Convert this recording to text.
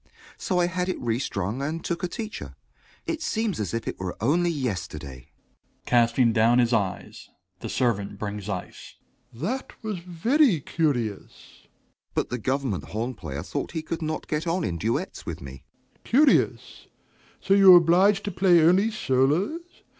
So I had it restrung, and took a teacher. It seems as if it were only yesterday. DOMINIE (casting down his eyes, the servant brings ice). That was very curious! JOHN S. But the government horn player thought he could not get on in duets with me. DOMINIE. Curious! So you were obliged to play only solos?